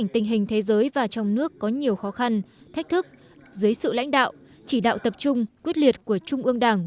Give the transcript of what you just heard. trong nước có nhiều khó khăn thách thức dưới sự lãnh đạo chỉ đạo tập trung quyết liệt của trung ương đảng